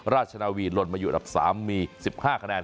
ราชนาวีหล่นมาอยู่อันดับ๓มี๑๕คะแนน